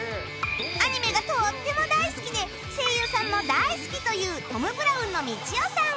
アニメがとっても大好きで声優さんも大好きというトム・ブラウンのみちおさん